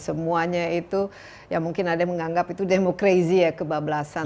semuanya itu ya mungkin ada yang menganggap itu demokrasi ya kebablasan